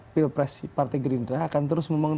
pilpres partai gerindra akan terus membangun